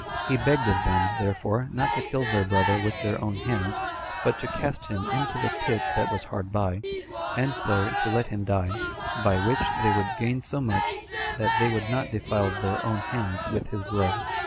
He begged of them, therefore, not to kill their brother with their own hands, but to cast him into the pit that was hard by, and so to let him die; by which they would gain so much, that they would not defile their own hands with his blood.